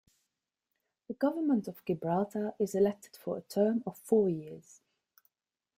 The Government of Gibraltar is elected for a term of four years.